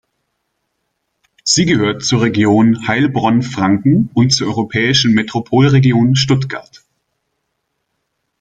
Sie gehört zur Region Heilbronn-Franken und zur europäischen Metropolregion Stuttgart.